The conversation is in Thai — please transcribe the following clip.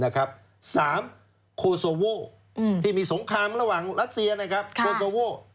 โคโซโวที่มีสงครามระหว่างรัสเซียนะครับโคโซโว